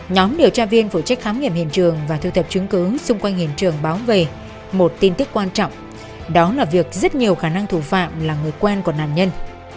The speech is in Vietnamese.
nhóm điều tra viên phụ trách khám nghiệm hiện trường và thu thập chứng cứ xung quanh hiện trường báo về một tin tức quan trọng đó là việc rất nhiều khả năng thủ phạm là người quen của nạn nhân